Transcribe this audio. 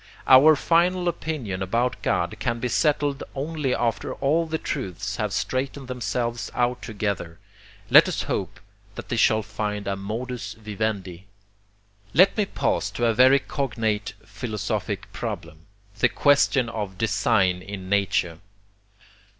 Our FINAL opinion about God can be settled only after all the truths have straightened themselves out together. Let us hope that they shall find a modus vivendi! Let me pass to a very cognate philosophic problem, the QUESTION of DESIGN IN NATURE.